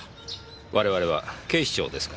我々は警視庁ですが。